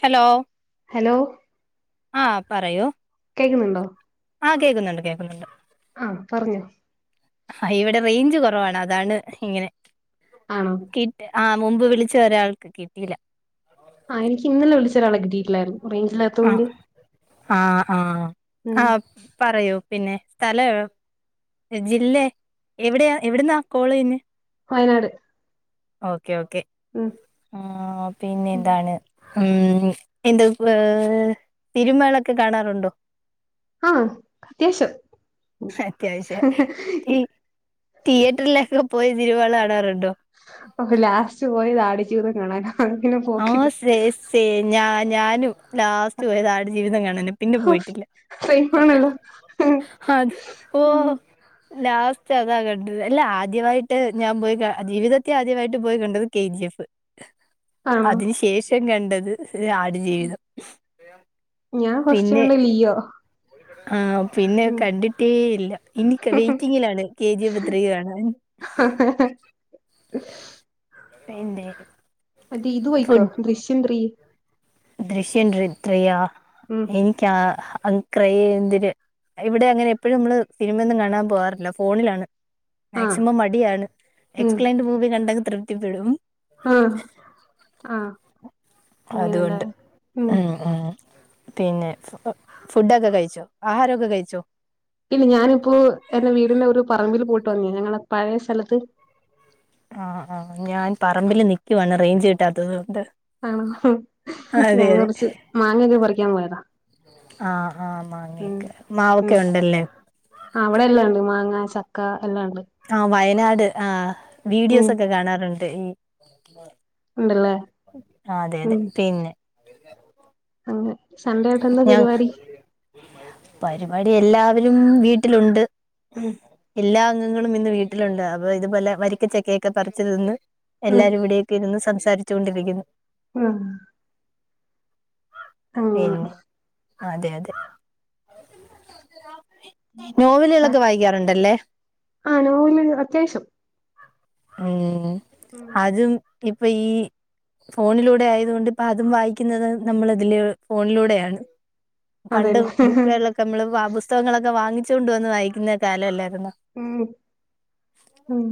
Hello hello ആ പറയു കേക്കുന്നുണ്ടോ ആ കേക്കുന്നുണ്ട് കേക്കുന്നുണ്ട് ആ പറഞ്ഞോ ആ ഇവിടെ റേയ്ഞ്ച് കുറവാണ് അതാണ് ഇങ്ങനെ ആണോ കെ ആ മുമ്പ് വിളിച്ച ഒരാൾക്ക് കിട്ടില്ല ആ എനിക്ക് ഇന്നലെ വിളിച്ച ഒരാളെ കിട്ടിട്ടില്ലായിരുന്നു റേഞ്ചില്ല ആഹ് ആഹ് ആഹ് ഉം ആഹ് പറയൂ പിന്നെ സ്ഥലഓ ജില്ലേ എവിടെയാ എവിടുന്നാ കോള് ചെയ്യുന്നെ വയനാട് ഓക്കേ ഓക്കേ ഉം ആ പിന്നെ എന്താണ് ഉം എന്ത് ഏ സിനുമളൊക്കെ കാണാറുണ്ടോ ആ അത്യാവശ്യം ഉം അത്യാവശ്യം ഈ തിയേറ്ററിലൊക്കെ പോയി സിനുമള് കാണാറുണ്ടോ ഇപ്പൊക്കെ ലാസ്റ്റ് പോയത് ആട്ജീവിതം കാണാന ആ സേ സേ ഞാ ഞാനും ലാസ്റ്റ് പോയത് ആട്ജീവിതം കാണന പിന്നെ പോയിട്ടില്ല സെയിമാണല്ലോ അത് ഉം ഓഹോ ലാസ്റ്റ് അതാ കണ്ടത് അല്ല ആദ്യമായിട്ട് ഞാൻ പോയി കാ ജീവിതത്തി ആദ്യമായിട്ട് പോയി കണ്ടത് കെ. ജി. എഫ് ആണോ അതിന് ശേഷം കണ്ടത് ആ ഉം ഞാൻ പിന്നെ ഫസ്റ്റ്കണ്ടത് ലിയോ ആ പിന്നെ ഉം കണ്ടിട്ടേ ഇല്ല എനിക്ക് വെയ്റ്റിങ്ങിലാണ് കെ. ജി. എഫ്‌ ത്രീ കാണാൻ ഹ ഹ ഹ വേണ്ടേ മറ്റേ ഇത് പോയിക്കോ ദൃശ്യം ത്രീ ദൃശ്യം ഡ്രി ത്രീ യോ ഉം എനിക്ക് അക്രയന്തിൽ ഇവിടെ അങ്ങനെ എപ്പഴും നമ്മള് സിനിമൊന്നും കാണാൻ പോവാറില്ല ഫോണിലാണ് ആഹ് മാക്സിമം മടിയാണ് ഉം എക്സ്പ്ലെൻഡ് മൂവി കണ്ടങ്ങ് തൃപ്തിപ്പെടും. ആഹ് ആഹ് അങ്ങനെല്ലേ അതുകൊണ്ട് ഉം ഉം പിന്നെ ഫുഡൊക്കെ കഴിച്ചോ ആഹാരക്കെ കഴിച്ചോ?? ഇല്ല ഞാനിപ്പോ എന്റെ വീടിന്റെ ഒരു പറമ്പിൽ പോയിട്ട് വന്നെ ഞങ്ങളെ പഴയ സ്ഥലത്ത് ആഹ ആഹ് ഞാൻ പറമ്പിൽ നൽിക്കുവാണ് റേഞ്ച് കിട്ടാത്തത് കൊണ്ട്. ആണോ അതെ ഞാൻ അതെ കുറച്ച് മാങ്ങൊക്കെ പറിക്കാൻ പോയതാ ആഹ് ആഹ മാങ്ങക്കെ മാവൊക്കെ ഉണ്ടല്ലേ ആ അവിടെ എല്ലാം ഉണ്ട് മാങ്ങ ചക്ക എല്ലാം ഉണ്ട്. ആ വയനാട് ആ ഉം വീഡിയോസ് ഒക്കെ കാണാറുണ്ട് ഈ- ഉണ്ടല്ലേ അതെ അതെ ഉം പിന്നെ അങ്ങനെ സൺഡേ ആയിട്ട് എന്താ ഞാൻ പരിപാടി പരിപാടി എല്ലാവരും വീട്ടിലുണ്ട് ഉം എല്ലാ അംഗങ്ങളും ഇന്ന് വീട്ടിലുണ്ട് അപ്പൊ ഇതുപോലെ വരിക്കച്ചക്കൊക്കെ പറിച് തിന്ന് ഉം എല്ലാവരും ഇവിടെ ഇരുന്ന് സംസാരിച്ചുകൊണ്ടിരിക്കുന്നു ഉം അങ്ങനെ പിന്നെ അതെ അതെ ച- നോവലുകളൊക്കെ വായിക്കാറുണ്ടല്ലേ ആ നോവല് അത്യാവശ്യം ഉം ഉം അതും ഇപ്പൊ ഈ ഫോണിലൂടെ ആയത് കൊണ്ട് ഇപ്പ അതും വായിക്കുന്നത് നമ്മൾ ഇതില് ഫോണിലൂടെയാണ് പണ്ട് അതെല്ലേ ബുക്ക- നമ്മള് പുസ്തകങ്ങളൊക്കെ വാങ്ങിച്ചോണ്ട് വന്ന് വായിക്കുന്ന കാലമല്ലായിരുന്നോ? ഉം ഉം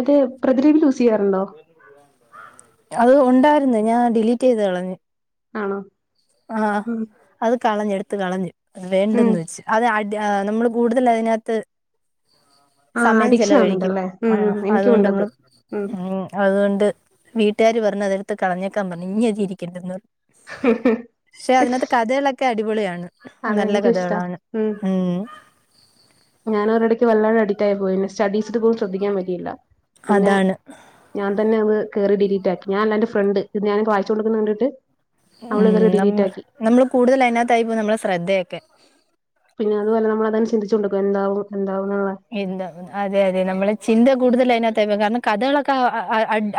അതെ പ്രതിലിപി യൂസ് ചെയ്യാറുണ്ടോ അത് ഉണ്ടായിരുന്നു ഞാൻ ഡിലീറ്റ് ചെയ്ത് കളഞ്ഞു. ആണോ ആഹ് ഉം അത് കളഞ് എടുത്ത് കളഞ്ഞു ഉം വേണ്ടന്ന് വെച്ച് അത് അടി നമ്മള് കൂടുതൽ അതിനകത്ത്- ആ സമയം അഡിക്ഷൻ ചെലവഴിക്കും ആവുന്നുണ്ടല്ലേ ആ ഉം ഉം എനിക്കും അതുകൊണ്ട് ഉണ്ടത് നമ്മള്- ഉം ഉം അതുകൊണ്ട് വീട്ടുകാര് പറഞ്ഞു അതെടുത്ത് കളഞ്ഞേക്കാൻ പറഞ്ഞു ഇനി അതിരിക്കേണ്ടന്ന പക്ഷെ അതിനകത്ത് കഥകളൊക്കെ അടിപൊളിയാണ് അതെ നല്ല എനിക്കും ഇഷ്ടാ കഥകളാണ് ഉം ഞാൻ ഒരിടയ്ക്ക് വല്ലാതെ അഡിക്റ്റ് ആയി പോയിന്നെ സ്റ്റഡീസിൽ പോലും ശ്രദ്ധിക്കാൻ പറ്റിയില്ല പിന്നെ അതാണ് ഞാൻ തന്നെത് കേറി ഡീറ്റാക്കി ഞാൻല്ല എന്റെ ഫ്രണ്ട് ഇത് ഞാൻ വായിച്ചു കൊണ്ട്കുന്നത് കണ്ടീട്ട് ഉം നമ്മ നമ്മള് കൂടുതൽ അതിനകത്തായി പോകും നമ്മളെ ശ്രദ്ധയൊക്കെ പിന്നെ അതുമല്ല നമ്മളു അതെ തന്നെ ചിന്തിച്ചു കൊണ്ടിരിക്കും എന്താവും എന്താവുന്നുള്ള എന്താ അതെ അതെ നമ്മളെ ചിന്ത കൂടുതൽ അതിനകത്ത് കാരണം കഥകളൊക്കെ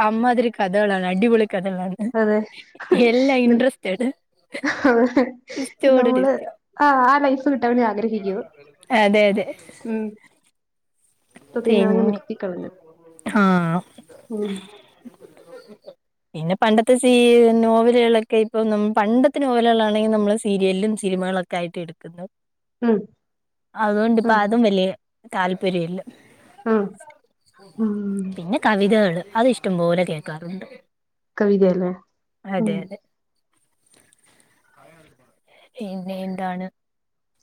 അമ്മാതിരി കഥളാണ് അടിപൊളി കഥകളാണ് അതെ എല്ലാം ഇൻട്രസ്റ്റഡ് ടിസ്റ്റോട് നമ്മള് ടിസ്റ്റ് ആ ആ ലൈഫ് കിട്ടാന് ആഗ്രഹിക്കും അത് അതെ അതെ അ ത അങ്ങ് പിന്നെ നിർത്തി കളഞ്ഞു ആഹ് ഉ പിന്നെ പണ്ടത്തെ സി നോവലുകളൊക്കെ ഇപ്പൊ പണ്ടത്തെ നോവലുകളൾാണെങ്കിൽ നമ്മൾ സീരിയലും സിനിമകളൊക്കെ ആയിട്ട് എടുക്കുന്നു ഉം അഅ്ഉം ഉം വല്ല്യഅതും വലിയ താല്പര്യ ഇല്ല ആഹ പിന്നെ കവിതകള് അത് ഇഷ്ടംപോലെ കേക്കാറുണ്ട് കവിതയല്ലേ ഉം പിന്നെ എന്താണ്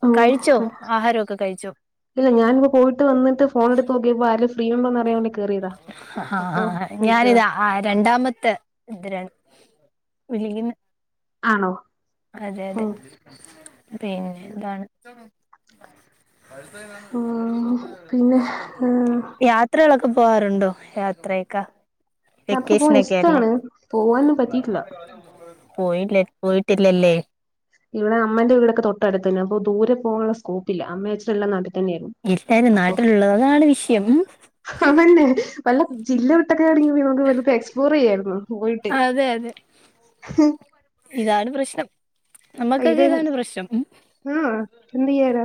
ഉം കഴിച്ചോ ആഹാരമൊക്കെ കഴിച്ചോ ഇല്ല ഞാനിപ്പോ പോയിട്ട് വന്നിട്ട് എടുത്ത് നോക്കിയപ്പോ ആ ആഹആാാ വിളിച്ചതാ ഞാനിതാ ആഹ രണ്ടാമത്തെ ഇ വിളിക്കുന്ന ആണോ അതെ അതെ ഉം പിന്നെ എന്താണ് പഴത്താണ് നമ്മളത് ഉം കൊച്ച പിന്നെ രഗട്ടം ഏഹ് യാത്രകളൊക്കെ പോകാറുണ്ടോ യാത്രയൊക്കെ യാത്ര പോകാൻ തക്കേഷിനൊക്കെയല്ലേ ഇഷ്ടാണ് പോവാനൊന്നും പറ്റിയിട്ടില്ല പോയില്ല പോയിട്ടില്ലല്ലേ ഇവിടെ അമ്മന്റെ വീടൊക്കെ തൊട്ടടുത്തു അപ്പൊ ദൂരെ പോാനുള്ള സ്കോപ്പില അമ്മയച്ചട്ടല്ലാം നട ഇല്ലാരും നാട്ടിലുള്ളത് അതാണ് വിഷയം അതന്നെ വല്ല ജില്ല വിട്ടൊക്കെ ആണെങ്കിയി നമു വലപ്പോ എക്സ്പ്ലോർ ചെയ്യായിരുന്നു പോയിട്ട് അതെ അതെ ഇതാണ് പ്രശ്നം നമ്മുക്കൊക്കെ ഇതാണ് പ്രശ്നം ആഹ ചന്തിയാന,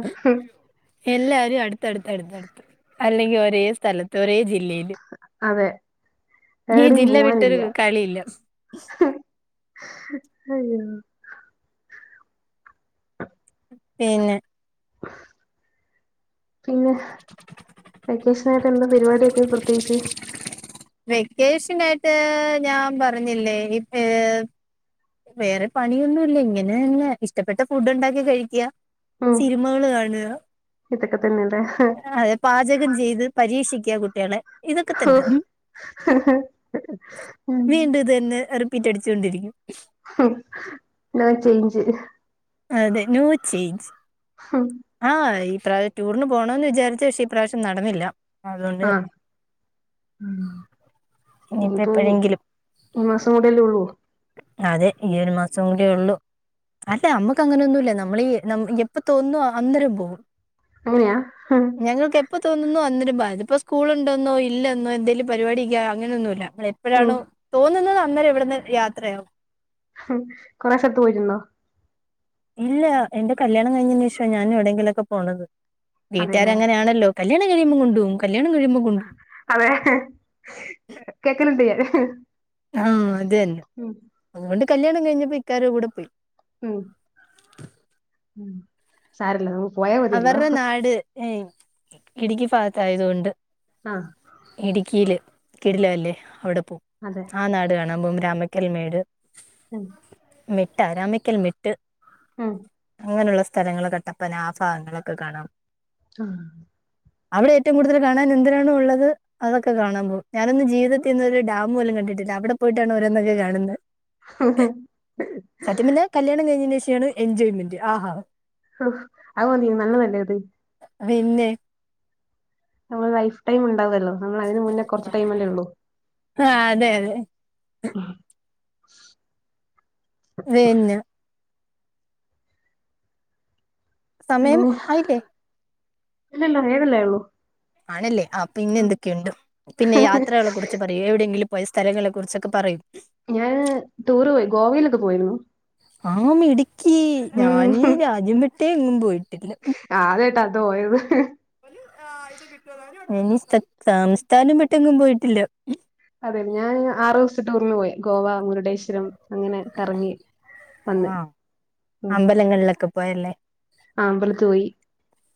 എല്ലാരും അടുത്തടുത്ത് അടുത്ത്ടുത്ത് അല്ലെങ്കിൽ ഒരേ സ്ഥലത്ത് ഒരേ ജില്ലയിയില് അതെ നീ ജില്ല വിട്ടൊരു കളിയില്ല ഹും അയ്യോ പിന്നെ പിന്നെ [inaudible] വെക്കേഷനയിട്ട് എന്ത പരിപാടിയൊക്കെ പ്രത്യേകിച്ച് വെക്കേഷനായിട്ട് ഞാൻ പറഞ്ഞില്ലേ ഹ് വേറെ പണിയൊന്നുംല്ല ഇങ്ങനെന്നെ ഇഷ്ടപ്പെട്ട ഫുഡ് ഉണ്ടാക്കി കഴിക്കുക ഉം സിനിമകൾ കാണുക ഇതൊക്കെ തന്നെയല്ലേ പാചകം ചെയ്ത് പരീക്ഷിക്കുക കുട്ടികാളെ ഇതൊക്കെ തന്നെ ഓഹ് വീണ്ടും ഇത് തന്നെ അറി പിറ്റടിച്ചുണ്ടിരിക്കും നോ ചെയ്ഞ്ചു അതെ ന്യൂ ചേഞ്ച് ഹം ആഹ് ഈ പ്രാവശ്യം ടൂറിന് പോണന്ന് വിചാരിച്ച പക്ഷേ ഈ പ്രാവശ്യം നടന്നില്ല അതുകൊണ്ട് ഉ ഇനിയിപ്പ ഇനിയിപ്പോ എപ്പോഴെങ്കിലും ഈ മാസം കൂടെല്ലേ ഉള്ളു അതെ ഈ ഒരു മാസം കൂടെ ഉള്ളു അല്ലെ നമ്മക്ക് അങ്ങനെ ഒന്നുമില നമ്മളീ എപ്പൊ തോന്നു അന്നരം പോകും അങ്ങനെയാ ഞങ്ങൾക്ക് എപ്പോ തോന്നുന്നു അന്നരംമ്പാ ഇതി ഇപ്പോ സ്കൂളുണ്ടെന്നോ ഇല്ല എന്നോ എന്തെേലും പരിപാടിക്ക അങ്ങനെയൊന്നുമ ഇല്ല നമ്മ ഉം എപ്പോഴാണോ തോന്നുന്നത് അന്നേരം എവിടുന്ന് യാത്രയാവും കൊറശത്ത് പോയിട്ടുന്നോ ഇല്ല എന്റെ കല്യാണം കഴിഞ്ഞതിന് ശേഷം ഞാനും എവിടെങ്കിലൊക്കെ പോണത് അതെല്ലേ വീട്ടുകാരഅങ്ങനെയാണല്ലോ കല്യാണം കഴിയുമ്പൾ കൊണ്ടും കല്യാ കഴിയ്പം കൊണ്ടും അതെ കേക്കലിണ്ട് ഞാൻ ആഹ് അത് തന്നെ ഉം അതുകൊണ്ട് കല്യാണം കഴിഞ്ഞപ്പോ ഇക്കാടെ കൂടെ പോയി ഉം സാരല്ല നമുക്ക് പോയാ മതിയല്ലോ അവരുടെ നാട് ഏഹ് ഇടുക്കി ഭാഗത്ത് ആയതൊണ്ട് ആഹ് ഇടുക്കിയിയില് കിടിലല്ലേ അവിടെ പോവും അതെ ആഹ നാട് കാണാൻ പോക്കും രാമക്കൽ മേട് ഉം മെട്ട് ആഹ രാമക്കൽ മെട്ട് ഉം അങ്ങനെയുള്ള സ്ഥലങ്ങൾ കട്ടപ്പന ആഭാഗങ്ങളൊക്കെ കാണാം ആഹ് അവിടെ ഏറ്റവും കൂടുതൽ കാണാൻ എന്തിരാണ് ഉള്ളത് അതൊക്കെ കാണാൻ പോവും ഞാനൊന്ന് ജീവിതത്തിൽ ഒരു ഡാമ് പോലും കണ്ടിട്ടില്ല അവിടെ പോയിട്ടാണ് ഓരോന്നൊക്കെ കാണുന്നത് സത്യം പറഞ്ഞാ കല്യാണം കഴിഞ്ഞന് ശേഷാണ് എൻജോയ്മെന്റ് ആഹാ അഹ് അഹ് മതി നല്ലതല്ലേ അത് വിന്നെ നമ്മൾ ലൈഫ് ടൈം ഉണ്ടാവല്ലോ നമ്മൾ അയ്ന് മുന്നേ കൊറച്ച് ടൈ ല്ലേ ഉള്ളു ആ അതെ അതെ ആഹ് വേഞ്ഞ സമയം പിന്നെ ആയില്ലേ ഇല്ലല്ല ഏതല്ലേ ഉള്ളു ആണല്ലേ ആഹ് പിന്നെ എന്തൊക്കെയുണ്ട് പിന്നെ യാത്രകളെ കുറിച്ച് പറ എവിടെയെങ്കിലും പോയ സ്ഥലങ്ങളെ കുറിച്ചൊക്കെ പറയും ഞാന് ടൂറ് പോയി ഗോവയിലൊക്കെ പോയിരുന്നു ആഹ് മിടുക്കി ഉം ഞാനീ രാജ്യം വീട്ടേ എങ്ങും പോയിട്ടില്ല ആഹ് അതേട്ടാ [unintelligible] ഉം സ്ഥ സംസ്ഥാനം വിട്ടെങ്ങും പോയിട്ടില്ല അതെ ഞാൻ ആറു ദിവസത്തെ ടൂറിന് പോയി ഗോവ മുരുടേശ്വരം അങ്ങനെ കറങ്ങി വന്ന് ആഹ് ഉം അമ്പലങ്ങളിലൊക്കെ പോയല്ലേ അമ്പലത്ത് പോയി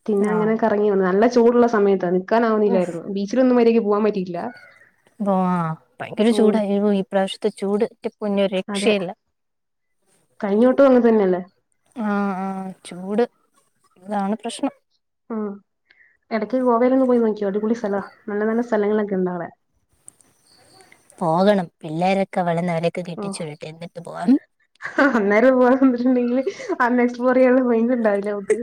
പിന്നെ അങ്ങനെ ആഹ് കറങ്ങി വന്നു നല്ല ചൂടുള്ള സമയത്ത നിക്കാൻ ഉഫ് ആവുന്നില്ലായിരുന്നു ബീ ച്ച്ലൊന്നും മര്യാക്ക് പോആൻ പറ്റിയിട്ടില്ല അഹ് ഭയങ്കര ചൂടായി ഈ പ്രാവശ്യത്തെ ചൂട് എന്റെ പൊന്നോ ഒരു രക്ഷയില്ല കഴഞ്ഞവട്ടൂം അങ്ങൻ തന്നെയല്ലേ ആഹ് ആഹ് ചൂട് താണ് പ്രശ്നം ഉം എടയ്ക്ക് ഗോവയിലൊന്ന് പോയി നോക്കിയോ അടിപൊളി സ്ഥല നല്ല നല്ല സ്ഥലങ്ങളൊക്കെണ്ട് അവിടെ പോകണം പിള്ളേരൊക്കെ വളർന്ന് അവരൊക്കെ ഉം കെട്ടിച്ച് വിടട്ടെഎന്നിട്ട് പോകാം അന്നേരം പോകാൻ നിന്നിട്ട്ണ്ട്ങ്കില് അന്ന് എക്സ്പോറ് [unintelligible] ണ്ടാഉലെ മക്ക്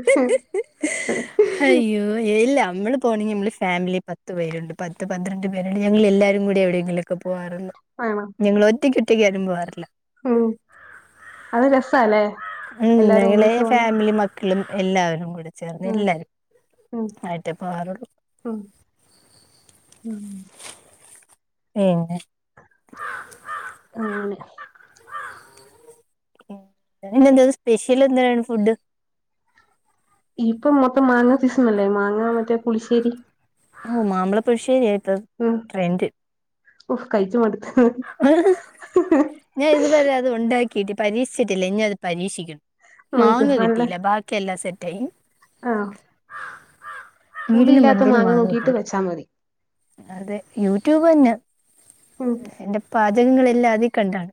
അയ്യോ ഇല്ല നമ്മള് പോണെങ്കി നമ്മള് ഫാമിലി പത്ത് പേരുണ്ട് പത്ത് പന്ത്രണ്ട് പേരുണ്ട് ഞങ്ങൾ എല്ലാവരും കൂടി എവിടെയെങ്കിലും ക്കെ പോവാറുള്ളു ആണോ ഞങ്ങൾ ഒറ്റക്ക് ഒറ്റക്ക് ആരും പോവാറില്ല ഉം അത് രസല്ലേ എല്ലാരും ഒന്നിച്ച് പോണെ മിലി മക്കളും എല്ലാവരും കൂടെ ചേർന്ന് ഉം എല്ലാരും ഉം ആയിട്ടേ പോആറുള്ളു ഉം ഉം [unintelligible] ആങ്നെ ഇന്നന്താ സ്പെഷ്യൽ എന്താണ് ഫുഡ് ഇപ്പൊ മൊത്തം മാങ്ങ സീസൺ അല്ലേ മാങ്ങ മറ്റേ പുളിശ്ശേരി ഓഹ് മാമ്പളപ്പുശ്ശേരി ആയിട്ട ഉം ഓഹ് കയിച്ച് മടുത്ണ് ഞാൻ ഇതുവരെ അത് ഉണ്ടാക്കിട്ട് പരീക്ഷിച്ചിട്ടില്ല ഇനി അത് പരീക്ഷിക്കും നോയിക്കോ മാങ്ങ നല്ല കിട്ടീല ബാക്കി എല്ലാ സെറ്റയി. ആഹ് പുള്ളി വീടിന് ഇല്ലാത്ത മണ്ടേല് മാങ്ങ നോക്കിട്ട് നിപ്പുണ്ട് വച്ചാ മതി. അതെ യൂട്യൂബ് തന്നെ ഉം എന്റെ പാചകങ്ങളെല്ലാ അതി കണ്ടാണ്.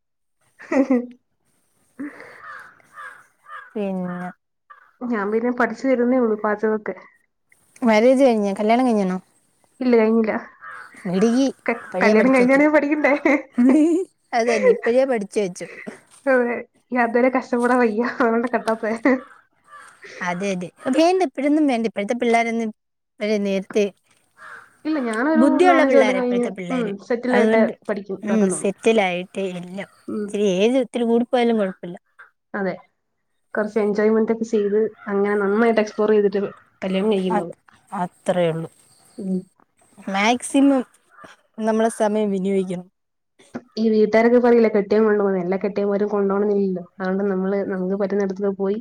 ഹ് ഹ്. പിന്നെ. ഞാൻ പിന്നെ പഠിച്ചു വരുന്നേ ഉള്ളൂ പാജഗോക്കെ. മരേജ് കഴിഞ് കല്യാണം കഴിഞ്ണോ. ഇല്ല ങ്ക. എടീ പഴയേ പഠിച് വെചോ, പഠിക്കണ്ടേ അതന്നെ ഇപ്പഴേ പഠിച് വെചു. അത് വരേ കഷ്ട്ട പെടാൻ വയ്യ അതോണ്ട കേട്ടാതെ. അതെ അതെ വേണ്ട ഇപ്പോഴൊന്നും വേണ്ട ഇപ്പോഴത്തെ പിള്ളോരൊന്നും വ നേർത്തെ ഇല്ല ഞാനൊരു ബുദ്ധിയുള്ള നാലഞ്ച് കൊല്ലം പിള്ളേരാ കഴിഞ്ഞ് ഇപ്പഴത്തെ ഉം പിള്ളേര്, സെറ്റിൽ ആയിട്ടെ അതുകൊണ്ട് പഠിക്കും ഉം ഇതാക്കുന്നുള്ളൂ സെറ്റിലായി. റ്റ എല്ലാം, ഉം ഏജ് ത്തിരി കൂടിപോയാലും കൊഴപ്പല്ല. അതെ കൊറച്ച് എൻജോയ്മെന്റ് ഒക്കെ ചെയ്ത് അങ്ങനെ നന്നായിട്ട് എക്സ്പ്ലോർ ചെയ്തിട്ട് കല്യാണം അ കെയ്യു അത്രേ ഉള്ളൂ [unintelligible] മാക്സിമം നമ്മളെ സമയം വിനിയോഗിക്കണം. ഈ വിട്ടാരൊക്കെ പറീലെ കെട്ട്യോൻ [unintelligible] എല്ലാ കെട്ട്യോൻ മാരും കൊണ്ടോണംന്ന് ഇല്ലല്ലോ അതോണ്ട് നമ്മള് നമ്മക്ക് പറ്റുന്നിടത് പോയി.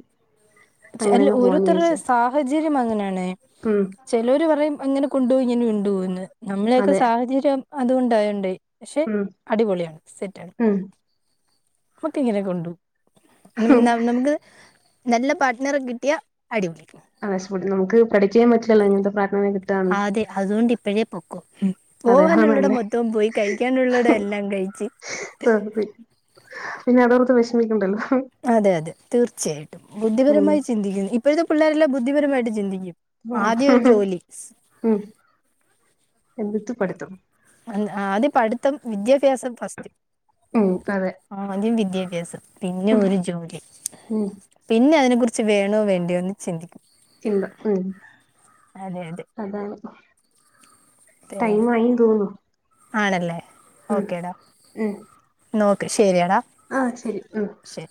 ചെ അല്ല അങ്ങനങ്ങ് പോവാന്ന് ഒരോര്ത്തരേ വിചാരിച്ചു സാഹചര്യം അങ്ങനെണ്. ഉം ചെലോര് പറയും അങ്ങനെ കൊണ്ടോവും ങ്ങനെ കൊണ്ടോവുംന്ന് നമ്മളൊക്കെ അതെ സാഹചര്യം അതുണ്ടായൊണ്ടേ. പക്ഷെ ഉം അടിപൊളിയാണ് സെറ്റാണ്. ഉം നമ്മക് ഇങ്ങനെ കൊണ്ടു ന ന നമുക്ക് നല്ല പാർട്ട്ണറേ കിട്ടിയാ അടിപൊളി. ആഹ് [unintelligible] നമുക്ക് ക്രഡിറ്റ്യ്യാൻ പറ്റില്ലല്ലോ ഇങ്ങൻതെ പാർട് ട്ടാ. ആതെ അതുകൊണ്ട് ഇപ്പഴേ പൊകൊ. അതെഹം പോകാനുള്ളട നല്ലേ മൊത്തം പോയി കഴിക്കാനുള്ളട എല്ലാം കഴിച്ച്. ആ പിന്നെ അതോർത്ത് വേഷ്മിക്കണ്ടല്ലോ. അതെ അതെ തീർച്ചയായിട്ടും ഉം ബുദ്ധിപരമായി ചിന്തിക്കുന്നു ഇപ്പോഴത്തെ പിള്ളേരെല്ലാം ബുദ്ധിപരമായിട്ട് ചിന്തിക്കും. ആദ്യം ഒരു [unintelligible] ജോലി [unintelligible] എന്നിട്ട് പഠിത്തം. ആദ്യം പഠിത്തം വിദ്യാഭ്യാസം ഫസ്റ്റ്. ഉം അതെ. ആദ്യം വിദ്യാഭ്യാസം പിന്നെ ഒരു ജോലി. ഉം പിന്നെ അതിനെ കുറിച്ച് വേണോ വേണ്ടിയോന്ന് ചിന്തിക്കും. ചിന്ത ഉം അതെ അതെ അതാണ്. ടൈം പിന്നെ ആയീന്ന് തോന്നുന്നു ആണല്ലേ ഉം ഉം. നോക്കെ ശരിയാടാ ആഹ് ശരി ഉം ശരി.